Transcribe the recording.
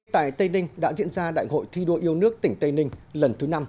tại tây ninh đã diễn ra đại hội thi đua yêu nước tỉnh tây ninh lần thứ năm